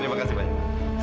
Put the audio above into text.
biar nanti lah